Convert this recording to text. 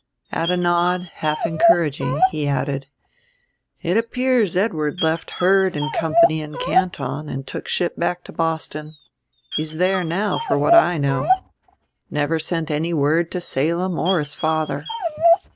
At a nod, half encouraging, he added, "It appears Edward left Heard and Company in Canton and took ship back to Boston. He's there now for what I know. Never sent any word to Salem or his father.